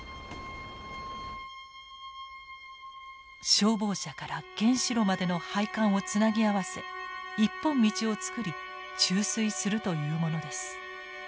消防車から原子炉までの配管をつなぎ合わせ１本道を作り注水するというものです。